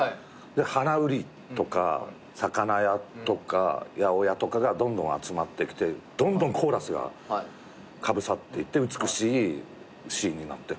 花売りとか魚屋とか八百屋とかがどんどん集まってきてどんどんコーラスがかぶさっていって美しいシーンになって。